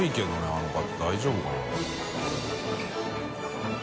あの方大丈夫かな。